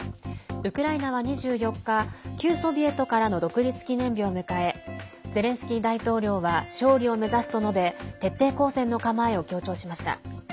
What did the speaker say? ウクライナは２４日旧ソビエトからの独立記念日を迎えゼレンスキー大統領は勝利を目指すと述べ徹底抗戦の構えを強調しました。